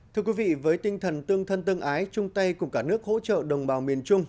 thưa quý vị với tinh thần tương thân tương ái chung tay cùng cả nước hỗ trợ đồng bào miền trung